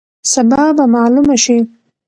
سبا به معلومه شي.